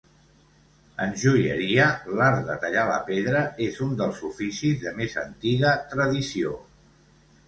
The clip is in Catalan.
En joieria, l'art de tallar la pedra és un dels oficis de més antiga tradició.